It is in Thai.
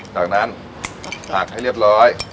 จากนั้นผักให้เรียบร้อย